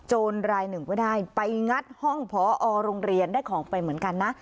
รายหนึ่งก็ได้ไปงัดห้องพอโรงเรียนได้ของไปเหมือนกันนะ